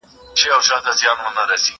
زه به سبا باغ ته ځم